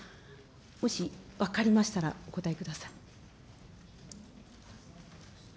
もし、分かりましたら、お答えください。